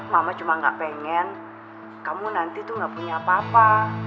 mama cuma gak pengen kamu nanti tuh gak punya apa apa